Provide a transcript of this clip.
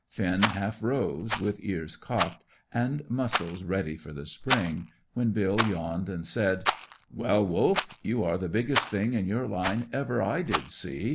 Finn half rose, with ears cocked, and muscles ready for the spring, when Bill yawned and said "Well, Wolf, you are the biggest thing in your line ever I did see.